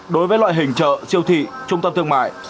đối với loại hình chợ siêu thị trung tâm thương mại